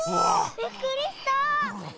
びっくりした！